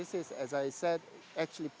ini seperti yang saya katakan